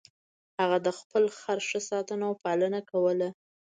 هغه د خپل خر ښه ساتنه او پالنه کوله.